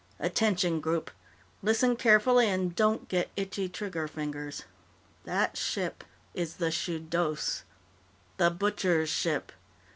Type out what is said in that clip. "Attention, Group. Listen carefully and don't get itchy trigger fingers. That ship is the Shudos. The Butcher's ship.